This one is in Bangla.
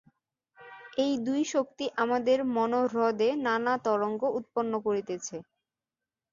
এই দুই শক্তি আমাদের মনোহ্রদে নানা তরঙ্গ উৎপন্ন করিতেছে।